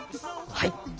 はい。